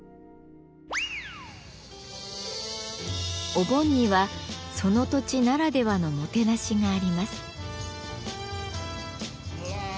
お盆にはその土地ならではのもてなしがあります。